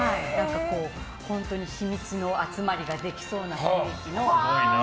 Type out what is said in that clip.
本当に秘密の集まりができそうな雰囲気のカーブが。